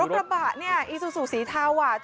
กระบะนี้อีซูซูสีเทา